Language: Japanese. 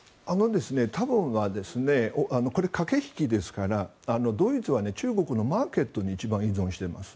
多分これは駆け引きですからドイツは中国のマーケットに一番依存しています。